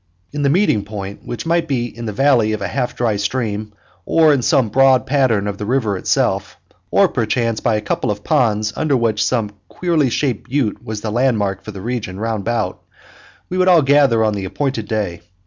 At the meeting point, which might be in the valley of a half dry stream, or in some broad bottom of the river itself, or perchance by a couple of ponds under some queerly shaped butte that was a landmark for the region round about, we would all gather on the appointed day.